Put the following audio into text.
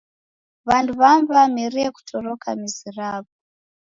W'andu w'amu w'amerie kutoroka mizi raw'o.